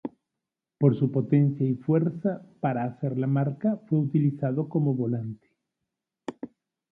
Por su potencia y fuerza para hacer la marca, fue utilizado como volante.